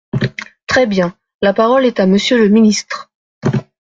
Très bien ! La parole est à Monsieur le ministre.